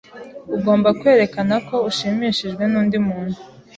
Ugomba kwerekana ko ushimishijwe nundi muntu.